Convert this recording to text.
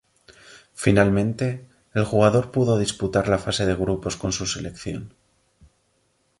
Finalmente el jugador pudo disputar la fase de grupos con su selección.